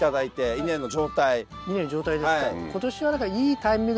稲の状態ですか。